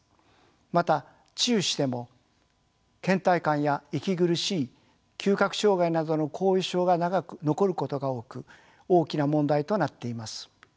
また治癒してもけん怠感や息苦しい嗅覚障害などの後遺症が長く残ることが多く大きな問題となっています。